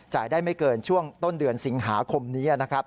ได้ไม่เกินช่วงต้นเดือนสิงหาคมนี้นะครับ